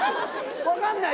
分かんない？